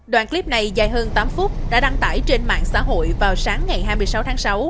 đoạn clip này dài hơn tám phút đã đăng tải trên mạng xã hội vào sáng ngày hai mươi sáu tháng sáu